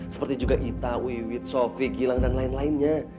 seperti juga ita wiwi sophie gilang dan lain lainnya